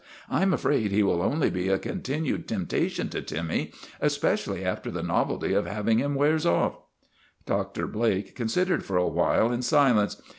" I 'm afraid he will only be a continued temptation to Timmy, especially after the novelty of having him wears off." Dr. Blake considered for a while in silence.